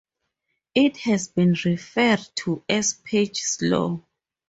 It has been referred to as Page's law.